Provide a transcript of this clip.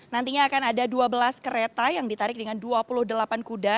nantinya akan ada dua belas kereta yang ditarik dengan dua puluh delapan kuda